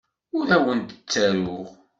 Ur awent-d-ttaruɣ.